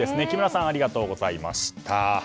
木村さんありがとうございました。